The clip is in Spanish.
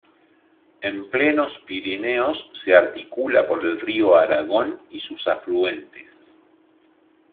En plenos Pirineos se articula por el río Aragón y sus afluentes.